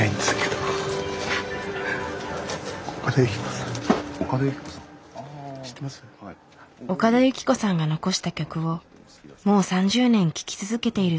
岡田有希子さんが残した曲をもう３０年聴き続けているという。